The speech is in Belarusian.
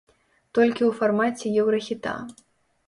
Толькі ў фармаце еўрахіта.